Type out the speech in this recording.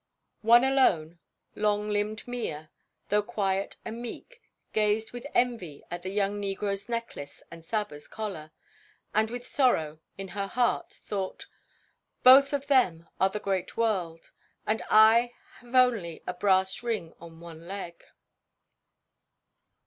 One alone, long limbed Mea, though quiet and meek, gazed with envy at the young negro's necklace and Saba's collar, and with sorrow in her heart thought: "Both of them are 'the great world,' and I have only a brass ring on one leg."